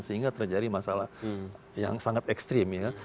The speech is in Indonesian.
sehingga terjadi masalah yang sangat ekstrim ya